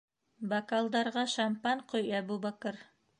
Бокалдарға шампан ҡой, Әбүбәкер!